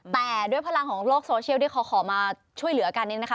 แต่ด้วยพลังของโลกโซเชียลที่เขาขอมาช่วยเหลือกันเนี่ยนะคะ